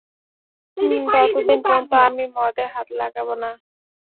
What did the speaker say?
হমম, ততদিন পর্যন্ত, আমি মদে হাত লাগাব না।